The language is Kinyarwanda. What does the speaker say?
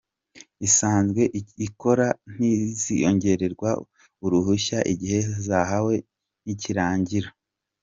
Izisanzwe zikora, ntizizongererwa uruhushya igihe zahawe nikirangira".